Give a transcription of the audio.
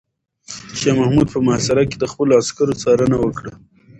شاه محمود په محاصره کې د خپلو عسکرو څارنه وکړه.